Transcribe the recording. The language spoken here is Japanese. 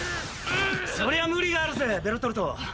・そりゃ無理があるぜベルトルト。